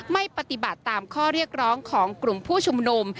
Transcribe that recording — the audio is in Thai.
ไม่ปฏิบัติตามข้อเรียกร้องของกลุ่มผู้ชุมนุม